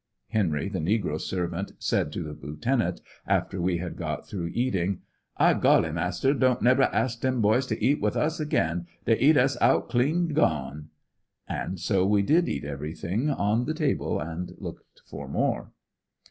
Henry, the negro servant, said to the lieutenant after we had got through e:it ing: '*! golly, masser, don't nebber ask dem boys to eat with us again, dey eat us out clean gone;" and so we did eat everythihg on the table and looked for more.